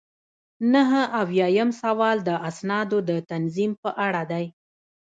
نهه اویایم سوال د اسنادو د تنظیم په اړه دی.